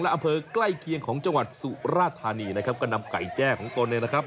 อำเภอใกล้เคียงของจังหวัดสุราธานีนะครับก็นำไก่แจ้ของตนเนี่ยนะครับ